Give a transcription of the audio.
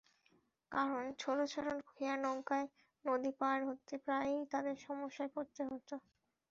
কারণ, ছোট ছোট খেয়ানৌকায় নদী পার হতে প্রায়ই তাঁদের সমস্যায় পড়তে হয়।